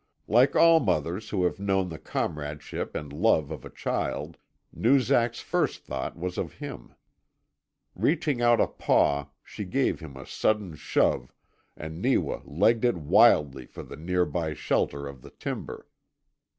Like all mothers who have known the comradeship and love of a child, Noozak's first thought was of him. Reaching out a paw she gave him a sudden shove, and Neewa legged it wildly for the near by shelter of the timber.